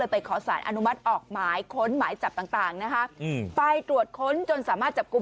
ไปตรวจค้นจนสามารถจับกุม